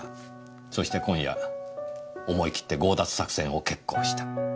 そして今夜思い切って強奪作戦を決行した。